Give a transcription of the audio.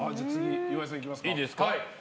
いいですか。